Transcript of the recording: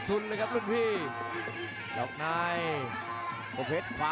ประเภทมัยยังอย่างปักส่วนขวา